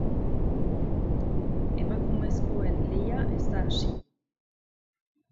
Emakumezkoen lehia ez da hasi.